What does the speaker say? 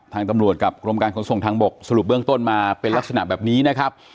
ทางตำรวจกับกรมการขนส่งทางบกสรุปเบื้องต้นมาเป็นลักษณะแบบนี้นะครับ